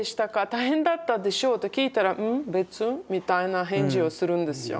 大変だったでしょう？」と聞いたら「ん？別」みたいな返事をするんですよ。